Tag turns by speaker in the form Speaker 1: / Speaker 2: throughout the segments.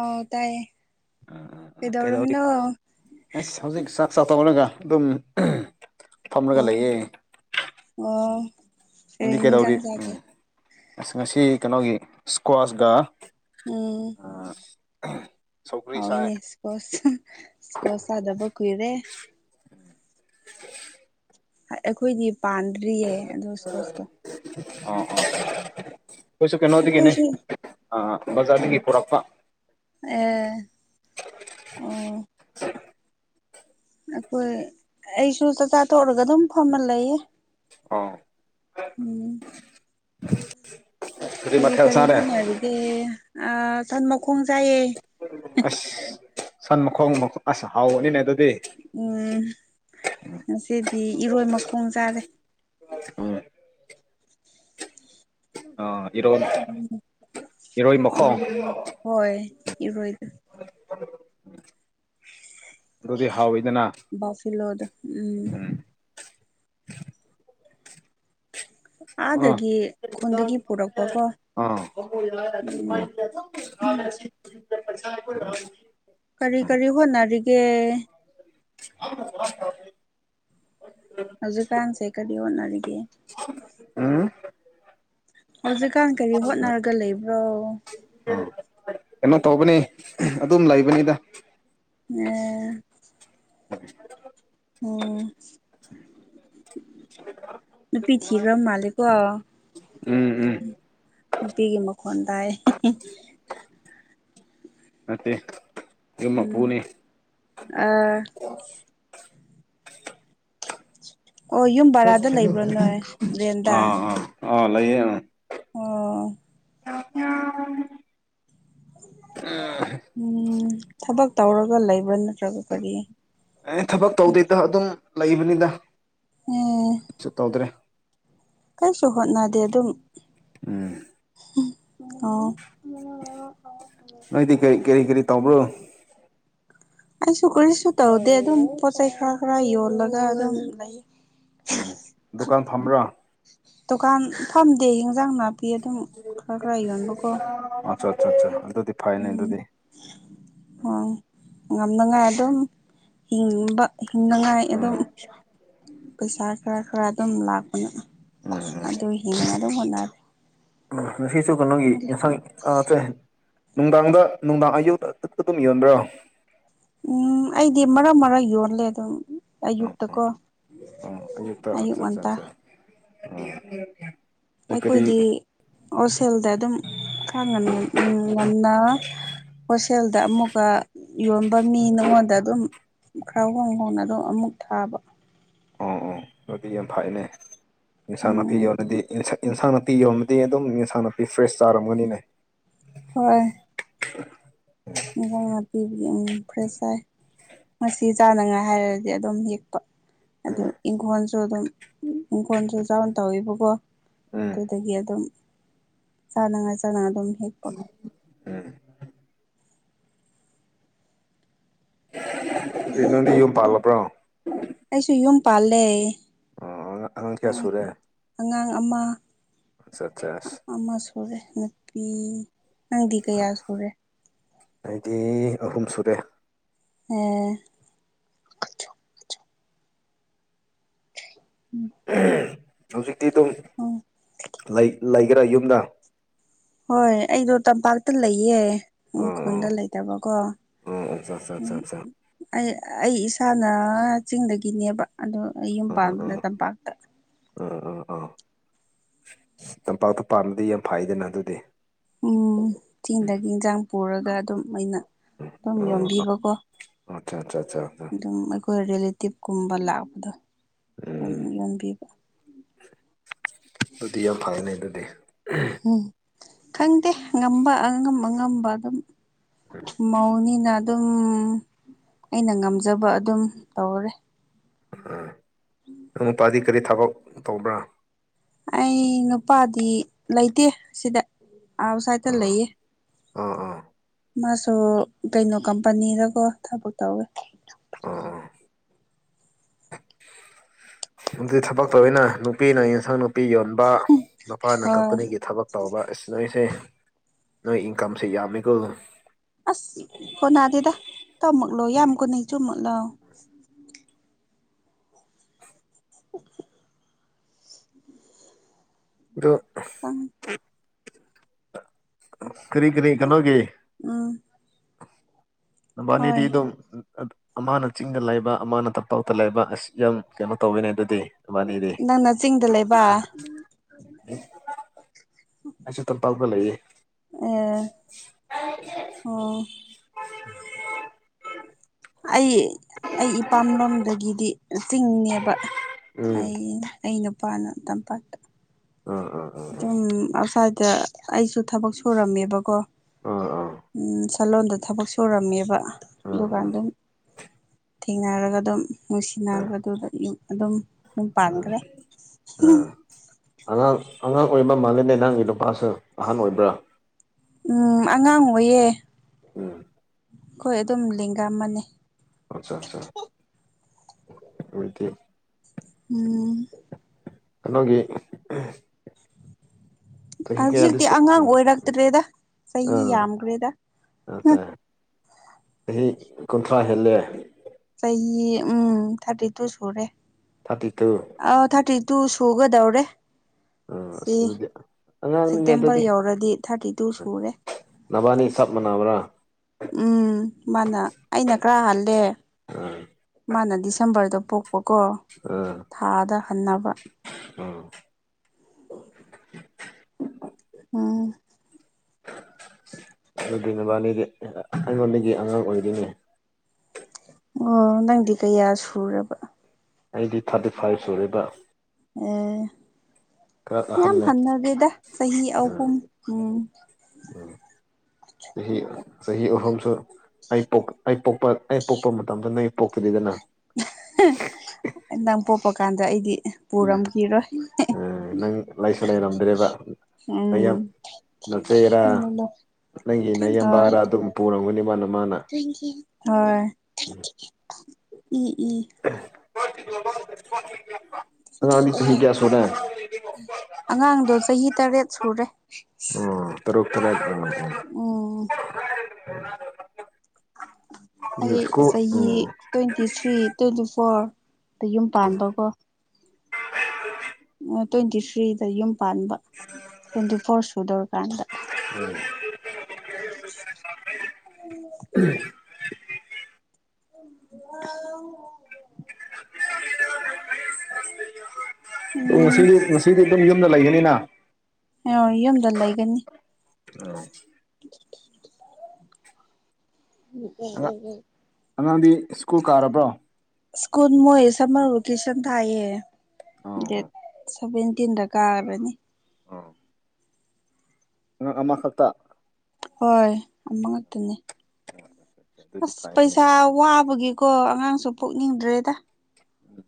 Speaker 1: ꯑ ꯇꯥꯏꯌꯦ ꯀꯗꯧꯔꯃꯤꯅꯣ
Speaker 2: ꯆꯥꯊꯣꯛꯔꯒ ꯑꯗꯨꯝ ꯐꯝꯔꯒ
Speaker 1: ꯎꯝ
Speaker 2: ꯂꯩꯌꯦ
Speaker 1: ꯑꯣ ꯀꯔꯤ
Speaker 2: ꯗꯤ ꯀꯩꯗꯧꯔꯤ
Speaker 1: ꯏꯟꯖꯥꯡ
Speaker 2: ꯎꯝ
Speaker 1: ꯆꯥꯒꯦ
Speaker 2: ꯑꯁ ꯉꯁꯤ ꯀꯩꯅꯣꯒꯤ ꯏꯁꯀ꯭ꯋꯥꯁꯀ
Speaker 1: ꯎꯝ
Speaker 2: ꯑ
Speaker 1: ꯍ ꯏꯅꯦ ꯁꯄꯣ ꯁꯀꯣ ꯁꯥꯗꯕ ꯀꯨꯏꯔꯦ ꯑꯩꯈꯣꯏꯗꯤ ꯄꯥꯟꯗ꯭ꯔꯤꯌꯦ ꯑꯗꯨꯗ ꯀꯣꯁꯇꯣ
Speaker 2: ꯑ ꯀꯣꯏꯁꯨ ꯀ ꯅꯇ ꯀꯅꯤ
Speaker 1: ꯑꯩꯈꯣꯏꯁꯨ
Speaker 2: ꯑ ꯕꯖꯥꯔꯗꯒꯤ ꯄꯨꯔꯛꯄ
Speaker 1: ꯑꯦ ꯑꯣ
Speaker 2: [inaudible]
Speaker 1: ꯑꯩꯈꯣꯏ ꯑꯩꯁꯨ ꯆꯥꯛꯆꯥ ꯇꯣꯛꯔꯒ ꯑꯗꯨꯝ ꯐꯃꯜ ꯂꯩꯌꯦ
Speaker 2: ꯑꯥ
Speaker 1: ꯎꯝ
Speaker 2: [inaudible]
Speaker 1: ꯀꯔꯤ
Speaker 2: ꯃꯊꯦꯜ
Speaker 1: ꯀꯔꯤ
Speaker 2: ꯆꯥꯔꯦ
Speaker 1: ꯍꯣꯠꯅꯔꯤꯒꯦ ꯑ ꯁꯟ ꯃꯈꯣꯡ ꯁꯥꯏꯌꯦ
Speaker 2: ꯑꯁ ꯁꯟ ꯃꯈꯣꯡ ꯃꯈꯣꯡ ꯑꯁ ꯍꯥꯎꯅꯤꯅꯦ ꯑꯗꯨꯗꯤ
Speaker 1: ꯎꯝ ꯉꯗꯤ ꯏꯔꯣꯏ ꯃꯈꯣꯡ ꯆꯥꯔꯦ
Speaker 2: ꯁꯀ ꯏꯔꯣꯟ ꯏꯔꯣꯏ ꯃꯈꯣꯡ
Speaker 1: ꯏꯔ ꯍꯣꯏ ꯏꯔꯣꯏ
Speaker 2: ꯑꯗꯨꯗꯤ ꯍꯋ
Speaker 1: ꯕꯥꯐꯤꯂꯣꯗ ꯎꯝ ꯑꯥꯗꯒꯤ ꯈꯨꯟꯗꯒꯤ
Speaker 2: ꯑ
Speaker 1: ꯄꯨꯔꯛꯄꯀꯣ ꯎꯝ
Speaker 2: ꯑ ꯄ
Speaker 1: ꯀꯔꯤ ꯀꯔꯤ ꯍꯣꯠꯅꯔꯤꯒꯦ
Speaker 2: ꯀ ꯁꯥꯁ
Speaker 1: ꯍꯧꯖꯤꯛꯀꯥꯟꯁꯦ ꯀꯔꯤ ꯍꯠꯅꯔꯤꯒꯦ
Speaker 2: ꯎ
Speaker 1: ꯍꯧꯖꯤꯛꯀꯥꯟ ꯀꯔꯤ ꯍꯣꯠꯅꯔꯒ ꯂꯩꯕ꯭ꯔꯣ
Speaker 2: ꯎꯝ ꯀꯩꯅꯣ ꯇꯧꯕꯅꯤ ꯑꯗꯨꯝ ꯂꯩꯕꯅꯤꯗ
Speaker 1: ꯑ
Speaker 2: [inaudible]
Speaker 1: ꯑꯣ ꯅꯨꯄꯤꯤꯊꯤ ꯔꯝ ꯃꯥꯂꯀꯣ
Speaker 2: ꯎꯝ ꯎꯝ
Speaker 1: ꯅꯨꯄꯤꯒꯤ ꯃꯈꯣꯟꯗꯥꯏ
Speaker 2: [inaudible] ꯃꯦ ꯌꯃ
Speaker 1: ꯎꯝ
Speaker 2: ꯄꯨꯅꯦ
Speaker 1: ꯑ ꯑꯣ ꯌꯨꯝ ꯕꯔꯥꯗ ꯂꯩꯕ꯭ꯔꯣ ꯅꯣꯏ ꯔꯦꯟꯗ
Speaker 2: ꯑꯥ ꯑꯥ ꯑꯥ ꯂꯩꯌꯦ
Speaker 1: ꯑꯣ
Speaker 2: ꯑ ꯀ
Speaker 1: ꯎꯝ ꯊꯕꯛ ꯇꯧꯔꯒ ꯂꯩꯕ꯭ꯔꯥ ꯅꯠꯇ꯭ꯔꯒ ꯀꯔꯤ
Speaker 2: ꯑꯦ ꯊꯕꯛ ꯇꯧꯗꯣꯏꯗ ꯑꯗꯨꯝ ꯂꯩꯕꯅꯤꯗ
Speaker 1: ꯑꯦ
Speaker 2: ꯇꯧꯗ꯭ꯔꯦ
Speaker 1: ꯀꯩꯁꯨ ꯍꯣꯠꯅꯗꯦ ꯑꯗꯨꯝ
Speaker 2: ꯎꯝ
Speaker 1: ꯑꯣ
Speaker 2: ꯅꯣꯏꯗꯤ ꯀ ꯀꯔꯤ ꯀꯔꯤ ꯇꯧꯕ꯭ꯔꯣ
Speaker 1: ꯑꯩꯁꯨ ꯀꯔꯤꯁꯨ ꯇꯧꯗꯦ ꯑꯗꯨꯝ ꯄꯣꯠ ꯆꯩꯩ ꯈꯔ ꯈꯔ ꯌꯣꯜꯂꯒ ꯑꯗꯨꯝ ꯂꯩ
Speaker 2: ꯎꯝ ꯗꯨꯀꯥꯟ ꯐꯝꯕ꯭ꯔꯥ
Speaker 1: ꯗꯨꯀꯥꯟ ꯐꯝꯗꯦ ꯏꯟꯖꯥꯡ ꯅꯥꯄꯤ ꯑꯗꯨꯝ ꯈꯔ ꯈꯔ ꯌꯣꯟꯕꯀꯣ
Speaker 2: ꯑꯠꯆꯥ ꯑꯠꯆꯥ ꯑꯠꯆꯥ ꯑꯗꯨꯗꯤ ꯐꯩꯅꯦ
Speaker 1: ꯎꯝ
Speaker 2: ꯑꯗꯨꯗꯤ
Speaker 1: ꯋꯥ ꯉꯝꯅꯉꯥꯏ ꯑꯗꯨꯝ ꯍꯤꯡꯕ ꯍꯤꯡꯅꯉꯥꯏ ꯑꯗꯨꯝ ꯄꯩꯁꯥ ꯈꯔ ꯈꯔ ꯑꯗꯨꯝ ꯂꯥꯛꯄꯅ
Speaker 2: ꯎꯝ ꯎꯝ
Speaker 1: ꯑꯗꯨ ꯍꯦꯟꯅ ꯑꯗꯨꯝ ꯍꯣꯠꯅꯔ
Speaker 2: ꯉꯁꯤꯁꯨ ꯀꯣꯒꯤ ꯏ ꯑꯥ ꯁꯦ ꯅꯨꯡꯗꯥꯡꯗ ꯅꯨꯡꯗꯥꯡ ꯑꯌꯨꯛꯇꯛꯇ ꯑꯗꯨꯝ ꯌꯣꯟꯕ꯭ꯔꯣ
Speaker 1: ꯎꯝ ꯑꯩꯗꯤ ꯃꯔꯛ ꯃꯔꯛ ꯌꯣꯜꯂꯦ ꯑꯗꯨꯝ ꯑꯌꯨꯛ
Speaker 2: ꯎꯝ
Speaker 1: ꯇꯀ
Speaker 2: ꯎꯝ ꯑꯌꯨꯛꯇ ꯑꯠꯆꯥ ꯑꯠꯆꯥ
Speaker 1: ꯑꯌꯨꯕꯃꯟꯇ
Speaker 2: ꯑꯠꯆꯥ [inaudible] ꯀꯔꯤ
Speaker 1: ꯑꯩꯈꯣꯏꯗꯤ ꯍꯣꯁꯦꯜꯗ ꯑꯗꯨꯝ ꯊꯉꯅꯤ ꯎꯝ ꯉꯅꯥ ꯍꯣꯁꯦꯜꯗ ꯑꯃꯨꯛꯀ ꯌꯣꯟꯕ ꯃꯤ ꯅꯉꯣꯟꯗ ꯑꯗꯨꯝ ꯈꯔꯍꯣꯡ ꯍꯣꯡꯅ ꯑꯗꯨꯝ ꯑꯃꯨꯛ ꯊꯥꯕ
Speaker 2: ꯑꯣ ꯑꯣ ꯑꯗꯨꯗꯤ ꯌꯥꯝ ꯐꯅꯦ ꯏꯟꯁꯥꯡ
Speaker 1: ꯎꯝ
Speaker 2: ꯅꯥꯄꯤꯒꯤ ꯑꯣꯏꯅ ꯑꯣꯏꯅꯗꯤ ꯏꯟꯁꯥꯡ ꯅꯥꯄꯤ ꯌꯣꯟꯃꯗꯤ ꯑꯗꯨꯝ ꯏꯟꯁꯥꯡ ꯅꯥꯄꯤ ꯐ꯭ꯔꯦꯁ ꯆꯥꯔꯝꯒꯅꯤꯅꯦ
Speaker 1: ꯍꯣꯏ
Speaker 2: [inaudible]
Speaker 1: ꯏꯟꯁꯥꯡ ꯅꯥꯄꯤ ꯌꯥꯝ ꯐ꯭ꯔꯦꯁ ꯁꯥꯏ ꯉꯁꯤ ꯆꯥꯅꯉꯥꯏ ꯍꯥꯏꯔꯗꯤ ꯑꯗꯨꯝ ꯌꯦꯛꯄ ꯑꯗꯨ
Speaker 2: ꯎꯝ
Speaker 1: ꯏꯪꯈꯣꯜꯁꯨ ꯑꯗꯨꯝ ꯏꯪꯈꯣꯜꯁꯨ ꯆꯥꯎꯅ ꯇꯧꯋꯤꯕꯀꯣ
Speaker 2: ꯎꯝ
Speaker 1: ꯑꯗꯨꯗꯒꯤ ꯑꯗꯨꯝ ꯆꯥꯅꯉꯥꯏ ꯆꯥꯅ ꯑꯗꯨꯝ ꯍꯦꯛꯄ
Speaker 2: ꯎꯝ ꯅꯪꯗꯤ ꯌꯨꯝ ꯄꯥꯜꯂꯕ꯭ꯔꯣ
Speaker 1: ꯑꯩꯁꯨ ꯌꯨꯝ ꯄꯥꯜꯂꯦ
Speaker 2: ꯑꯣ ꯑꯉꯥꯡ ꯀꯌꯥ ꯁꯨꯔꯦ
Speaker 1: ꯑꯉꯥꯡ ꯑꯃ
Speaker 2: ꯑꯠꯆꯥ ꯑꯠꯆꯥ ꯑꯁ
Speaker 1: ꯑꯃ ꯁꯨꯔꯦ ꯅꯨꯄꯤ ꯅꯪꯗꯤ ꯀꯌꯥ ꯁꯨꯔꯦ
Speaker 2: ꯑꯩꯗꯤ ꯑꯍꯨꯝ ꯁꯨꯔꯦ
Speaker 1: ꯑꯦ
Speaker 2: ꯍꯧꯖꯤꯛꯇꯤ ꯑꯗꯨꯝ
Speaker 1: ꯎꯝ
Speaker 2: ꯂꯩꯈꯔꯦ ꯌꯨꯝꯗ
Speaker 1: ꯍꯣꯏ ꯑꯩꯗꯣ ꯇꯝꯄꯥꯛꯇ ꯂꯩꯌꯦ ꯎꯪꯈꯜꯗ
Speaker 2: ꯑꯣ
Speaker 1: ꯂꯩꯇꯕꯀꯣ
Speaker 2: ꯑꯣ ꯑꯠꯆꯥ ꯑꯠꯆꯥ ꯑꯠꯆꯥ
Speaker 1: ꯎꯝ
Speaker 2: ꯑꯠꯆꯥ
Speaker 1: ꯑꯩ ꯑꯩ ꯏꯁ ꯏꯁꯥꯟꯅ ꯆꯤꯡꯗꯒꯤꯅꯦꯕ ꯑꯗꯣ ꯑꯩ ꯌꯨꯝ
Speaker 2: ꯑꯥ
Speaker 1: ꯄꯥꯟꯕꯅ
Speaker 2: ꯑꯥ
Speaker 1: ꯇꯝꯄꯥꯛꯇ
Speaker 2: ꯑꯥ ꯑꯥ ꯑꯥ ꯇꯝꯄꯥꯛꯇ ꯄꯥꯟꯕꯗꯤ ꯌꯥꯝ ꯐꯩꯗꯅ ꯑꯗꯨꯗꯤ
Speaker 1: ꯑꯣꯝ ꯆꯤꯡꯗꯒꯤ ꯏꯟꯁꯥꯡ ꯄꯨꯔꯒ ꯑꯗꯨꯝ ꯑꯩꯅ ꯑꯗꯨꯝ
Speaker 2: ꯑꯣ
Speaker 1: ꯌꯣꯟꯕꯤꯕꯀꯣ
Speaker 2: ꯑꯠꯆꯥ ꯑꯠꯆꯥ ꯑꯠꯆꯥ
Speaker 1: ꯑꯗꯨꯝ ꯑꯩꯈꯣꯏ ꯔꯤꯂꯦꯇꯤꯚ ꯀꯨꯝꯕ ꯂꯥꯛꯄꯗꯣ ꯑꯗꯨꯝ
Speaker 2: ꯎꯝ
Speaker 1: ꯌꯣꯟꯕꯤꯕ
Speaker 2: ꯑꯗꯨꯗꯤ ꯌꯥꯝ ꯐꯔꯅꯦ ꯑꯗꯨꯗꯤ
Speaker 1: ꯎꯝ ꯈꯪꯗꯦ ꯉꯝꯕ ꯑꯉꯝ ꯑꯉꯝꯕ ꯑꯗꯨꯝ ꯃꯧꯅꯤꯅ ꯑꯗꯨꯝ ꯑꯩꯅ ꯉꯝꯖꯕ ꯑꯗꯨꯝ ꯇꯧꯔꯦ
Speaker 2: ꯎꯝ ꯅꯄꯥꯗꯤ ꯀꯔꯤ ꯊꯕꯛ ꯇꯧꯕ꯭ꯔꯥ
Speaker 1: ꯑꯩ ꯅꯨꯄꯥꯗꯤ ꯂꯩꯇꯦ ꯁꯤꯗ ꯑꯥꯎꯠꯁꯥꯏꯗꯠꯇ
Speaker 2: ꯑꯥ
Speaker 1: ꯂꯩꯌꯦ
Speaker 2: ꯑꯥ ꯑꯥ
Speaker 1: ꯃꯥꯁꯨ ꯀꯩꯅꯣ ꯀꯝꯄꯅꯤꯗꯀꯣ ꯊꯕꯛ ꯇꯧꯋꯦ
Speaker 2: ꯑꯗꯨ ꯊꯕꯛ ꯇꯧꯋꯤꯅ ꯅꯨꯄꯤꯅ ꯌꯦꯟꯁꯥꯡ ꯅꯨꯄꯤ ꯅꯨꯄꯤ ꯌꯣꯟꯕ ꯅꯨꯄꯥꯅ
Speaker 1: ꯍꯣꯏ
Speaker 2: ꯀꯝꯄꯅꯤꯒꯤ ꯊꯕꯛ ꯇꯧꯕ ꯑꯁꯤꯅꯔꯤꯁꯦ ꯅꯣꯏ ꯏꯟꯀꯝꯁꯦ ꯌꯥꯝꯃꯦꯀꯣ
Speaker 1: ꯑꯁ ꯀꯣꯅꯥꯗꯗ ꯇꯝꯃꯛꯂꯣ ꯌꯥꯝ ꯀꯨꯅꯩ ꯆꯨꯝꯃꯛ ꯂ [inaudible] [inaudible]
Speaker 2: ꯑꯗꯨꯣ
Speaker 1: ꯈꯪ
Speaker 2: ꯀꯔꯤ ꯀꯔꯤ ꯀꯩꯅꯣꯒꯤ
Speaker 1: ꯎꯝ
Speaker 2: ꯅꯤꯗꯤ
Speaker 1: ꯍꯣꯏ
Speaker 2: ꯑꯗꯨ ꯑꯃꯅ ꯆꯤꯡꯗ ꯂꯩꯕ ꯑꯃꯅ ꯇꯝꯄꯥꯛꯇ ꯂꯩꯕ ꯑꯁꯤꯁ ꯌꯥꯝ ꯀꯩꯅꯣ ꯇꯧꯋꯤꯅꯦ ꯑꯗꯨꯗꯤ ꯅꯕꯥꯅꯤꯗꯤ
Speaker 1: ꯅꯪꯅ ꯆꯤꯡꯗ ꯂꯩꯕ
Speaker 2: ꯑꯆꯥ ꯇꯄꯥꯎꯄ ꯂꯩꯦ
Speaker 1: ꯑꯦ ꯑꯣ
Speaker 2: [unintelligible]
Speaker 1: ꯑꯩ ꯑꯩ ꯏꯄꯥꯝ ꯂꯣꯝꯗꯒꯤꯗꯤ ꯆꯤꯡꯅꯦꯕ
Speaker 2: ꯎꯝ
Speaker 1: ꯑꯩ ꯑꯩ ꯅꯨꯄꯥꯅ ꯇꯝꯄꯥꯛꯇ
Speaker 2: ꯑꯥ ꯑꯥ ꯑꯥ ꯑꯥ ꯑꯥ
Speaker 1: ꯑꯗꯨꯝ ꯑꯁ꯭ꯋꯥꯏꯗ ꯑꯩꯁꯨ ꯊꯕꯛ ꯁꯨꯔꯝꯃꯦꯕꯀꯣ
Speaker 2: ꯑꯥ
Speaker 1: ꯎꯝ ꯋꯥꯈꯜꯂꯣꯟꯗ ꯊꯕꯛ ꯁꯨꯔꯝꯃꯦꯕ ꯑꯗꯨꯀꯥꯟ ꯑꯗꯨꯝ ꯊꯦꯡꯅꯔꯒ ꯑꯗꯨꯝ
Speaker 2: ꯑꯥ ꯑꯥ
Speaker 1: ꯅꯨꯡꯁꯤꯅꯔꯒ ꯑꯗꯨꯗ ꯑꯗꯨꯝ ꯎ
Speaker 2: ꯑꯥ
Speaker 1: ꯄꯥꯟꯈ꯭ꯔꯦ
Speaker 2: ꯑꯉꯥꯡ ꯑꯉꯥꯡ ꯑꯣꯏꯕ ꯃꯥꯜꯂꯅꯦ ꯅꯪꯒꯤ ꯅꯨꯄꯥꯁꯨ ꯑꯍꯥꯟ ꯑꯣꯏꯕ꯭ꯔꯥ
Speaker 1: ꯎꯝ ꯑꯉꯥꯡ ꯑꯣꯏꯌꯦꯦ
Speaker 2: ꯎꯝ
Speaker 1: ꯍꯣꯏ ꯑꯗꯨꯝ ꯂꯦꯡꯒꯥ ꯑꯃꯅꯦ
Speaker 2: ꯑꯠꯆꯥ ꯑꯠꯆꯥꯠꯇ
Speaker 1: ꯎꯝ
Speaker 2: ꯀꯩꯅꯣꯒꯤ ꯆꯍꯤ ꯀꯌꯥꯗꯤ
Speaker 1: ꯍꯧꯖꯤꯛꯇꯤ
Speaker 2: ꯁꯨ
Speaker 1: ꯑꯉꯥꯡ
Speaker 2: ꯎꯝ
Speaker 1: ꯑꯣꯏꯔꯛꯇ꯭ꯔꯦꯗ ꯆꯍꯤ
Speaker 2: ꯑꯥ
Speaker 1: ꯌꯥꯝꯈ꯭ꯔꯦꯗ
Speaker 2: ꯑꯠꯆꯥ ꯆꯍꯤ ꯀꯨꯟꯊ꯭ꯔꯥ ꯍꯦꯜꯂꯦ
Speaker 1: ꯆꯍꯤ ꯎꯝ ꯊꯥꯔꯇꯤ ꯇꯨ ꯁꯨꯔꯦ
Speaker 2: ꯊꯥꯔꯇꯤ ꯇꯨ
Speaker 1: ꯑ ꯊꯥꯔꯇꯤ ꯇꯨ ꯁꯨꯒꯗꯧꯔꯦ
Speaker 2: ꯎꯝ
Speaker 1: ꯁꯤ
Speaker 2: ꯑꯁ ꯑꯗꯨꯗꯤ ꯑꯉꯥꯡꯅꯤꯅꯦ
Speaker 1: ꯁꯦꯞꯇꯦꯝꯕꯔ
Speaker 2: ꯑꯗꯨꯗꯤ
Speaker 1: ꯌꯧꯔꯗꯤ ꯊꯥꯔꯇꯤ ꯇꯨ ꯁꯨꯔꯦ
Speaker 2: ꯅꯕꯥꯅꯤ ꯆꯞ ꯃꯅꯥꯕ꯭ꯔꯥ
Speaker 1: ꯎꯝ ꯃꯥꯅ ꯑꯩꯅ ꯈꯔ ꯍꯥꯜꯂꯦ
Speaker 2: ꯎꯝ
Speaker 1: ꯃꯥꯅ ꯗꯤꯁꯦꯝꯕꯔꯗ ꯄꯣꯛꯄꯀꯣ
Speaker 2: ꯎꯝ
Speaker 1: ꯊꯥꯗ ꯍꯟꯅꯕ
Speaker 2: ꯎꯝ [unintelligible]
Speaker 1: ꯎꯝ
Speaker 2: ꯑꯗꯨꯗꯤ ꯅꯕꯥꯅꯤꯒꯤ ꯑꯩꯉꯣꯟꯗꯒꯤ ꯑꯉꯥꯡ ꯑꯣꯏꯔꯦꯅꯦ
Speaker 1: ꯑꯣ ꯅꯪꯗꯤ ꯀꯌꯥ ꯁꯨꯔꯕ
Speaker 2: ꯑꯩꯗꯤ ꯊꯥꯔꯇꯤ ꯐꯥꯏꯚ ꯁꯨꯔꯦꯕ
Speaker 1: ꯑꯦ
Speaker 2: ꯈꯔ
Speaker 1: ꯌꯥꯝ
Speaker 2: ꯑꯍꯜꯂꯦ
Speaker 1: ꯍꯟꯅꯗꯦꯗ ꯆꯍꯤ
Speaker 2: ꯎꯝ
Speaker 1: ꯑꯍꯨꯝ ꯎꯝ
Speaker 2: ꯎꯝ ꯆꯍꯤ ꯆꯍꯤ ꯑꯍꯨꯝꯁꯨ ꯑꯩ ꯑꯩ ꯄꯣꯛꯄ ꯑꯩ ꯄꯣꯛꯄ ꯃꯇꯝꯗ ꯅꯪ ꯄꯣꯛꯇꯔꯤꯗꯅ
Speaker 1: ꯅꯪ ꯄꯣꯛꯄ ꯀꯥꯟꯗ ꯑꯩꯗꯤ ꯄꯨꯔꯝꯈꯤꯔꯣꯏ
Speaker 2: ꯎꯝ ꯅꯪ ꯂꯩꯁꯨ ꯂꯩꯔꯝꯗ꯭ꯔꯦꯕ ꯅꯌꯥꯝ
Speaker 1: ꯎꯝ
Speaker 2: ꯅꯆꯦꯔꯥ
Speaker 1: ꯍꯣꯏ
Speaker 2: ꯅꯪꯒꯤ ꯅꯌꯥꯝꯕꯥꯔ ꯑꯗꯨꯝ ꯄꯨꯔꯝꯒꯅꯤ ꯃꯥꯅ ꯃꯥꯅ
Speaker 1: ꯍꯣꯏ
Speaker 2: ꯎꯝ
Speaker 1: ꯏ ꯏ
Speaker 2: ꯑꯉꯥꯡꯗꯤ ꯆꯍꯤ ꯀꯌꯥ ꯁꯨꯔꯦ
Speaker 1: ꯑꯉꯥꯡꯗꯣ ꯆꯍꯤ ꯇꯔꯦꯠ ꯁꯨꯔꯦ
Speaker 2: ꯎꯝ
Speaker 1: ꯎꯝ
Speaker 2: [unintelligible]
Speaker 1: ꯑꯩ
Speaker 2: ꯎꯝ ꯁ꯭ꯀꯨꯜ
Speaker 1: ꯆꯍꯤ
Speaker 2: ꯎꯝ
Speaker 1: ꯇ꯭ꯋꯦꯟꯇꯤ ꯊ꯭ꯔꯤ ꯇ꯭ꯋꯦꯟꯇꯤ ꯐꯣꯔ ꯑ ꯌꯨꯝ ꯄꯥꯟꯕꯀꯣ
Speaker 2: [inaudible]
Speaker 1: ꯇ꯭ꯋꯦꯟꯇꯤ ꯊ꯭ꯔꯤꯗ ꯌꯨꯝ ꯄꯥꯟꯕ ꯇ꯭ꯋꯦꯟꯇꯤ ꯐꯣꯔ ꯁꯨꯗꯧꯔꯀꯥꯟꯗ ꯎ [unintelligible]
Speaker 2: ꯑꯗꯨ
Speaker 1: ꯎꯝ
Speaker 2: ꯉꯁꯤꯗꯤ ꯉꯁꯤꯗꯤ ꯑꯗꯨꯝ ꯌꯨꯝꯗ ꯂꯩꯒꯅꯤꯅ
Speaker 1: ꯑꯣ ꯌꯨꯝꯗ ꯂꯩꯒꯅꯤ
Speaker 2: ꯑꯥ ꯑꯉꯥꯡ
Speaker 1: [unintelligible]
Speaker 2: ꯑꯉꯥꯡꯗꯤ ꯁ꯭ꯀꯨꯜ ꯀꯥꯔꯕ꯭ꯔꯣ
Speaker 1: ꯁ꯭ꯀꯨꯜ ꯃꯣꯏ ꯁꯃꯔꯔꯣꯇꯦꯁꯟ ꯊꯥꯏꯌꯦ
Speaker 2: ꯑꯥ
Speaker 1: ꯗꯦꯠ
Speaker 2: ꯑꯥ
Speaker 1: ꯁꯚꯦꯟꯇꯤꯟꯗ ꯀꯥꯔꯕꯅꯤ
Speaker 2: ꯑ ꯑꯃ ꯈꯠꯇ
Speaker 1: ꯍꯣꯏ ꯑꯃ ꯉꯛꯇꯅꯦ
Speaker 2: ꯎꯝ
Speaker 1: ꯑꯁ ꯄꯩꯁꯥ ꯋꯥꯕꯒꯤꯀꯣ ꯑꯉꯥꯡꯁꯨ
Speaker 2: ꯎꯝ
Speaker 1: ꯄꯣꯛꯅꯤꯡꯗ꯭ꯔꯦꯗ
Speaker 2: ꯎꯝ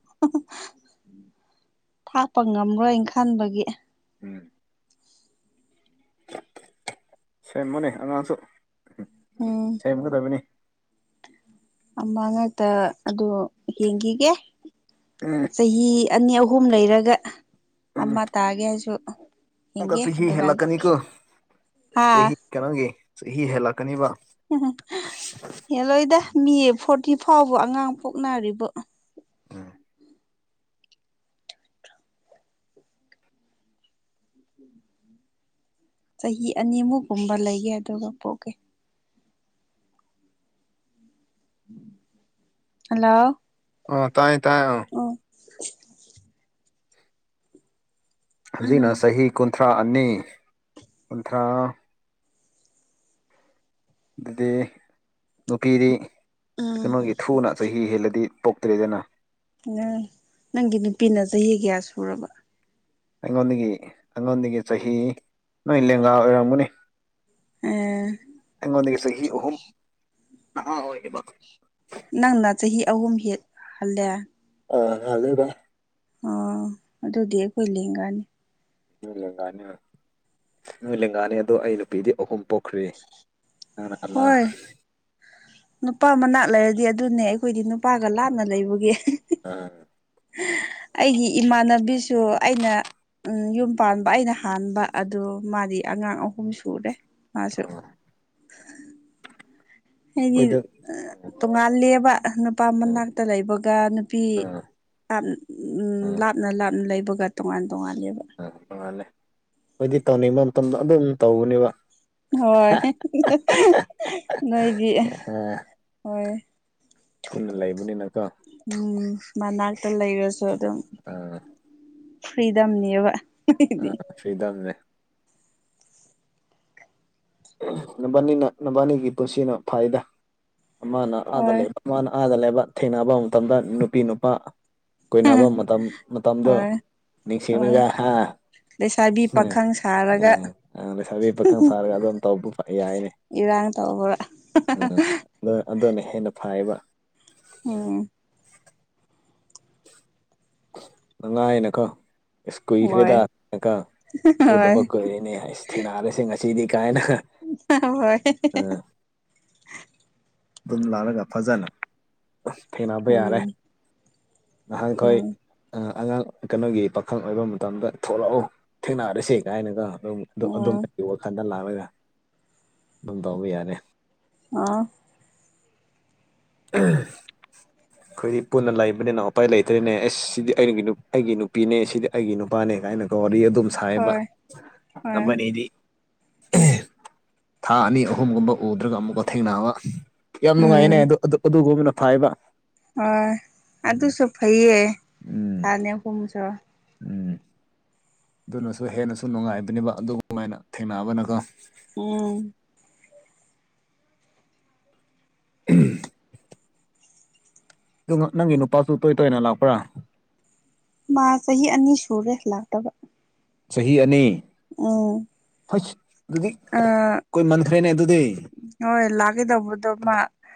Speaker 1: ꯊꯥꯛꯄ ꯉꯝꯂ꯭ꯔꯣꯏꯅ ꯈꯟꯕꯒꯤ
Speaker 2: ꯎꯝ ꯁꯦꯝꯃꯣꯅꯦ ꯑꯉꯥꯡꯁꯨ
Speaker 1: ꯎꯝ
Speaker 2: ꯁꯦꯝꯒꯗꯕꯅꯤ
Speaker 1: ꯑꯃ ꯉꯥꯛꯇ ꯑꯗꯣ ꯌꯦꯡꯈꯤꯒꯦ
Speaker 2: ꯎꯝ
Speaker 1: ꯆꯍꯤ ꯑꯅꯤ ꯑꯍꯨꯝ ꯂꯩꯔꯒ ꯑꯃ ꯇꯥꯒꯦ ꯍꯥꯏꯁꯨ
Speaker 2: ꯑꯃꯨꯀ
Speaker 1: ꯌꯦꯡꯒꯦ
Speaker 2: ꯆꯍꯤ
Speaker 1: ꯑꯗꯨꯀꯥꯟꯗ
Speaker 2: ꯍꯦꯜꯂꯛꯀꯅꯤꯀꯣ
Speaker 1: ꯍꯥꯥ
Speaker 2: ꯆꯍꯤ ꯀꯩꯅꯣꯒꯤ ꯆꯍꯤ ꯍꯦꯜꯂꯛꯀꯅꯤꯕ
Speaker 1: ꯎ ꯍꯦꯜꯂꯣꯏꯗ ꯃꯤ ꯐꯣꯔꯇꯤ ꯐꯥꯎꯕ ꯑꯉꯥꯡ ꯄꯣꯛꯅꯔꯤꯕꯣ
Speaker 2: ꯎꯝ
Speaker 1: ꯆꯍꯤ ꯑꯅꯤꯃꯨꯛ ꯀꯨꯝꯕ ꯂꯩꯒꯦ ꯑꯗꯨꯒ ꯄꯣꯛꯀꯦ ꯍꯜꯂꯣ
Speaker 2: ꯑ ꯇꯥꯏꯌꯦ ꯇꯥꯏꯌꯦ ꯑꯥ
Speaker 1: [inaudible]
Speaker 2: ꯍꯧꯖꯤꯛꯅ
Speaker 1: ꯎꯝ
Speaker 2: ꯆꯍꯤ ꯀꯨꯟꯊ꯭ꯔꯥ ꯑꯅꯤ ꯀꯨꯟꯊ꯭ꯔꯥ ꯑꯗꯨꯗꯤ ꯅꯨꯄꯤꯗꯤ ꯀꯩꯅꯩꯅꯣꯒꯤ ꯊꯨꯅ ꯆꯍꯤ ꯍꯦꯜꯂꯗꯤ ꯄꯣꯛꯇ꯭ꯔꯦꯗꯅ
Speaker 1: ꯎꯪ ꯅꯪꯒꯤ ꯅꯨꯄꯤꯅ ꯆꯍꯤ ꯀꯌꯥ ꯁꯨꯔꯕ
Speaker 2: ꯑꯩꯉꯣꯟꯗꯒꯤ ꯑꯩꯉꯣꯟꯗꯒꯤ ꯆꯍꯤ ꯅꯣꯏ ꯂꯦꯡꯒꯥ
Speaker 1: ꯑꯦ
Speaker 2: ꯑꯣꯏꯔꯝꯒꯅꯤ ꯆꯍꯤ ꯑꯣꯍꯨꯝ ꯍ
Speaker 1: ꯅꯪꯅ ꯆꯍꯤ ꯑꯍꯨꯝ ꯍꯦꯛ ꯍꯜꯂꯦ
Speaker 2: ꯑ ꯍꯗꯕ
Speaker 1: ꯑ ꯑꯗꯨ ꯑꯗꯨꯗꯤ ꯀꯣꯏ ꯂꯦꯡꯒꯥꯅꯤ
Speaker 2: ꯅꯣꯏ ꯂꯦꯡꯒꯥꯅꯤ ꯅꯣꯏ ꯂꯦꯡꯒꯥꯅꯤ ꯑꯗꯣ ꯑꯩ ꯅꯨꯄꯤꯗꯤ ꯑꯍꯨꯝ ꯄꯣꯛꯈ꯭꯭ꯔꯔꯤ ꯑꯃ
Speaker 1: ꯍꯣꯏ ꯅꯨꯄꯥ ꯃꯅꯥ ꯂꯩꯔꯗꯤ ꯑꯗꯨꯅꯦ ꯑꯩꯈꯣꯏꯗꯤ ꯅꯨꯄꯥꯒ ꯂꯥꯞꯅ ꯂꯩꯕꯒꯤ
Speaker 2: ꯑꯥ
Speaker 1: ꯑꯩꯒꯤ ꯏꯃꯥꯟꯅꯕꯤꯁꯨ ꯑꯩꯅ ꯎꯝ ꯌꯨꯝ ꯄꯥꯟꯕ ꯑꯩꯅ ꯍꯥꯟꯕ ꯑꯗꯨꯗ ꯃꯥꯗꯤ ꯑꯉꯥꯡ ꯑꯍꯨꯝ ꯁꯨꯔꯦ ꯑꯁ
Speaker 2: ꯑꯥ
Speaker 1: ꯍꯥꯏꯗꯤ
Speaker 2: ꯈꯣꯏꯗ
Speaker 1: ꯇꯣꯉꯥꯂꯦꯕ ꯅꯨꯄꯥ
Speaker 2: ꯑꯥ
Speaker 1: ꯃꯅꯥꯛꯇ ꯂꯩꯕꯒ ꯅꯨꯄꯤ
Speaker 2: ꯑꯥ
Speaker 1: ꯎ ꯂꯥꯞꯅ ꯂꯥꯞꯅ ꯂꯩꯕ ꯒꯇꯃꯥꯟ
Speaker 2: ꯎꯝ ꯃꯥꯅꯤ ꯑꯩꯗꯤ ꯇꯧꯅꯤꯡꯕ ꯃꯇꯝꯗ ꯑꯗꯨꯝ ꯇꯧꯒꯅꯦꯕ
Speaker 1: ꯍꯣꯏ ꯅꯣꯏꯗꯤ ꯍꯣꯏ
Speaker 2: ꯊꯨꯟꯅ ꯂꯩꯕꯅꯤꯅ ꯀꯣ
Speaker 1: ꯎꯝ ꯃꯅꯥꯛꯇ ꯂꯩꯔꯁꯨ ꯑꯗꯨꯝ
Speaker 2: ꯑꯥ
Speaker 1: ꯐ꯭ꯔꯤꯗꯝꯅꯦꯕ
Speaker 2: ꯑ ꯁꯤꯔꯤꯗꯥꯝꯅꯦ ꯅꯕꯥꯅꯤꯅ ꯅꯕꯥꯅꯤꯒꯤ ꯄꯨꯟꯁꯤꯅ ꯐꯥꯏꯗ ꯃꯥꯅ ꯑꯥꯗ
Speaker 1: ꯍꯣꯏ
Speaker 2: ꯃꯥꯅ ꯑꯥꯗ ꯂꯩꯕ ꯊꯦꯡꯅꯕ ꯃꯇꯝꯗ ꯅꯨꯄꯤ ꯅꯨꯄꯥ ꯀꯨꯅꯕ ꯃꯇꯝ ꯃꯇꯝꯗꯣ
Speaker 1: ꯍꯣꯏ ꯍꯣꯏ
Speaker 2: ꯅꯤꯡꯁꯤꯡꯉꯒ ꯍꯥ
Speaker 1: ꯂꯩꯁꯥꯕꯤ ꯄꯥꯈꯪ ꯁꯥꯔꯒ
Speaker 2: ꯎ ꯁ ꯄ ꯁꯥꯔꯒ ꯇꯧꯕ ꯌꯥꯏꯅꯦ
Speaker 1: ꯏꯔꯥꯡ ꯇꯧꯕ
Speaker 2: ꯑꯗꯨꯅ ꯍꯦꯟꯅ ꯐꯩꯕ
Speaker 1: ꯑꯣꯝ
Speaker 2: ꯅꯨꯡꯉꯥꯏꯅꯀꯣ ꯑꯦ
Speaker 1: ꯍꯣꯏ
Speaker 2: ꯀꯨꯏꯈ꯭ꯔꯦꯗꯅꯀ
Speaker 1: ꯍꯣꯏ
Speaker 2: ꯎꯗꯃꯛ ꯀꯨꯔꯤꯅꯦ ꯑꯩ ꯊꯦꯡꯅꯔꯤꯁꯦ ꯉꯁꯤꯗꯤ ꯀꯥꯏꯅ
Speaker 1: ꯍꯣꯏ
Speaker 2: ꯑꯥ ꯑꯗꯨꯝ ꯂꯥꯜꯂꯒ ꯐꯖꯅ ꯊꯦꯡꯅꯕ ꯌꯥꯔꯦ
Speaker 1: ꯎꯝ
Speaker 2: ꯅꯍꯥꯟꯈꯣꯏ
Speaker 1: ꯎꯝ
Speaker 2: ꯑꯉꯥꯡ ꯀꯩꯅꯣꯒꯤ ꯄꯥꯈꯪ ꯑꯣꯏꯕ ꯃꯇꯝꯗ ꯊꯣꯛꯂꯛꯎ ꯊꯦꯡꯅꯔꯁꯦ ꯀꯥꯏꯅꯒ ꯑꯗꯨꯝ ꯑꯗꯨꯝ
Speaker 1: ꯎꯝ
Speaker 2: ꯑꯩꯒꯤ ꯋꯥꯈꯜꯗ ꯂꯥꯛꯂꯒ ꯑꯗꯨꯝ ꯇꯧꯕ ꯌꯥꯅꯤ
Speaker 1: ꯑꯥ
Speaker 2: ꯑꯩꯈꯣꯏꯗꯤ ꯄꯨꯟꯅ ꯂꯩꯕ ꯎ ꯎꯄꯥꯥꯏ ꯂꯩꯇ꯭ꯔꯦꯅꯦ ꯑꯦꯁ ꯁꯤꯗꯤ ꯑꯩꯒꯤ ꯑꯩꯒꯤ ꯅꯨꯄꯤꯅꯦ ꯁꯤꯗꯤ ꯑꯩꯒꯤ ꯅꯨꯄꯥꯅꯦ ꯀꯥꯏꯅ ꯀꯧꯔꯤ ꯑꯗꯨꯨꯝ ꯁꯥꯏꯕ
Speaker 1: ꯍꯣꯏ ꯍꯣꯏ
Speaker 2: ꯑꯃꯗꯤ ꯊꯥ ꯑꯅꯤ ꯑꯍꯨꯝꯒꯨꯝꯕ ꯎꯗ꯭ꯔꯒ ꯑꯃꯨꯛꯀ ꯊꯦꯡꯅꯕ ꯌꯥꯝ ꯅꯨꯡꯉꯥꯏꯅꯦ
Speaker 1: ꯎꯝ
Speaker 2: ꯑꯗꯨ ꯑꯗꯨꯨꯝꯕꯅ ꯐꯥꯏꯕ
Speaker 1: ꯍꯣꯏ
Speaker 2: ꯎꯝ
Speaker 1: ꯑꯗꯨꯁꯨ ꯐꯩꯌꯦ
Speaker 2: ꯎꯝ
Speaker 1: ꯊꯥꯅꯦꯒꯨꯝꯁꯨ
Speaker 2: ꯎꯝ ꯑꯗꯨꯅꯁꯨ ꯍꯦꯟꯅꯁꯨ ꯅꯨꯡꯉꯥꯏꯕꯅꯦꯕ ꯑꯗꯨꯒꯃꯥꯏꯅ ꯊꯦꯡꯅꯅꯕꯅꯒ
Speaker 1: ꯎꯝ
Speaker 2: ꯎꯝ ꯅꯪꯒꯤ ꯅꯨꯄꯥꯁꯨ ꯇꯣꯏ ꯇꯣꯏꯅ ꯂꯥꯛꯄ꯭ꯔꯥ
Speaker 1: ꯃꯥ ꯆꯍꯤ ꯑꯅꯤ ꯁꯨꯔꯦ ꯂꯥꯛꯇꯕ
Speaker 2: ꯆꯍꯤ ꯑꯅꯤ
Speaker 1: ꯑ
Speaker 2: ꯍꯣꯏꯁ ꯑꯗꯨꯗꯤ ꯀꯣꯏ ꯃꯟꯈ꯭ꯔꯦꯅꯦ ꯑꯗꯨꯗꯤ
Speaker 1: ꯍꯣꯏ ꯂꯒꯦꯗꯕꯨꯗꯃ